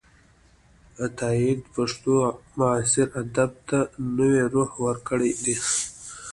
عطاييد پښتو معاصر ادب ته نوې روح ورکړې ده.